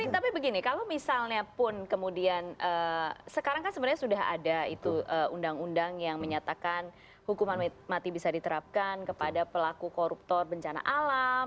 tapi begini kalau misalnya pun kemudian sekarang kan sebenarnya sudah ada itu undang undang yang menyatakan hukuman mati bisa diterapkan kepada pelaku koruptor bencana alam